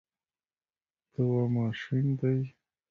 ته وایې ماشین دی.